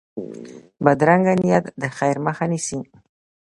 بدرنګه نیت د خیر مخه نیسي